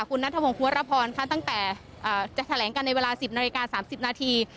คุณนัทธพงษ์ภูมิระพรค่ะตั้งแต่จะแถลงกันในเวลาสิบนาฬิกาสามสิบนาที